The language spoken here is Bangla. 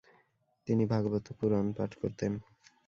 তিনি ভাগবত পুরাণ পাঠ করতেন।